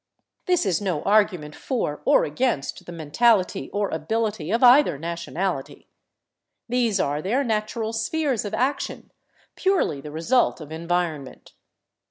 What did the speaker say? This is no argument for or against the mentality or ability of either nationality. These are their natural spheres of action, purely the result of environment.